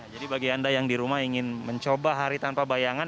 jadi bagi anda yang di rumah ingin mencoba hari tanpa bayangan